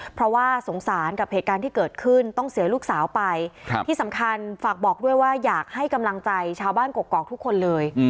เพราะว่าสงสารกับเหตุการณ์ที่เกิดขึ้นต้องเสียลูกสาวไปที่สำคัญฝากบอกด้วยว่าอยากให้กำลังใจชาวบ้านกรกทุกคนเลย